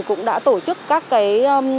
cũng đã tổ chức các cái